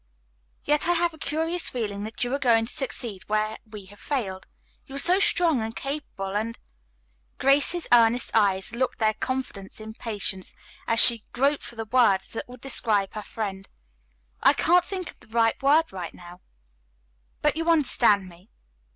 "Yet I have a curious feeling that you are going to succeed where we have failed. You are so strong and capable and " Grace's earnest eyes looked their confidence in Patience, as she groped for the word that would describe her friend. "I can't think of the right word now, but you understand me.